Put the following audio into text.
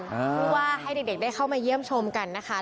เพราะว่าให้เด็กได้เข้ามาเยี่ยมชมกันนะคะ